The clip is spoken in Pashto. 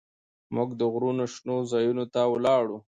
موږ د غرونو شنو ځايونو ته ولاړو.